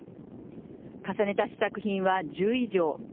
重ねた試作品は１０以上。